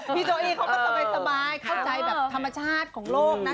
โจอี้เขาก็สบายเข้าใจแบบธรรมชาติของโลกนะ